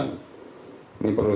ini prosesnya berikutnya